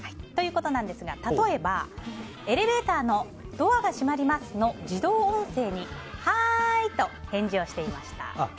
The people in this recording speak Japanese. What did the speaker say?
例えば、エレベーターのドアが閉まりますの自動音声にはーいと返事をしていました。